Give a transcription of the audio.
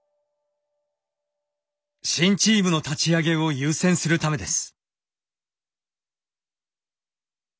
新チームの立ち上げを優先するためです。